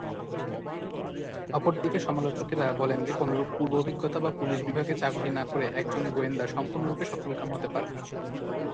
অপরদিকে সমালোচকেরা বলেন যে, কোনরূপ পূর্ব অভিজ্ঞতা বা পুলিশ বিভাগে চাকুরী না করে একজন গোয়েন্দা সম্পূর্ণরূপে সফলকাম হতে পারেন না।